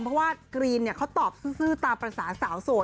เพราะว่ากรีนเขาตอบซื่อตามภาษาสาวโสด